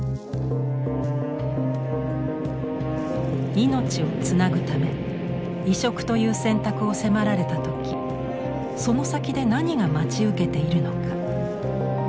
命をつなぐため移植という選択を迫られた時その先で何が待ち受けているのか。